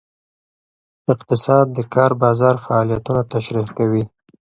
اقتصاد د کار بازار فعالیتونه تشریح کوي.